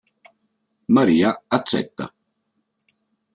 Maria accetta.